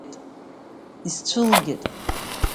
Исцәылгеит!